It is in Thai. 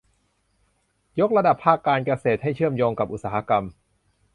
ยกระดับภาคการเกษตรให้เชื่อมโยงกับอุตสาหกรรม